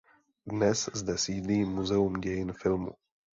Dnes zde sídlí Muzeum dějin filmu.